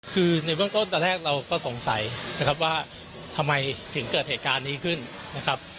คือในเบื้องต้นตอนแรกเราก็สงสัยนะครับว่าทำไมถึงเกิดเหตุการณ์นี้ขึ้นนะครับ